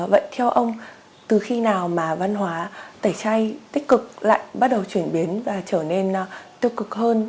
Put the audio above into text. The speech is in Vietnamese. vậy theo ông từ khi nào mà văn hóa tẩy chay tích cực lại bắt đầu chuyển biến và trở nên tiêu cực hơn